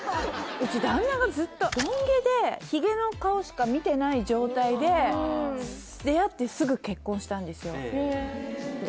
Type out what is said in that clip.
うち旦那がずっとロン毛でひげの顔しか見てない状態で出会ってすぐ結婚したんですよで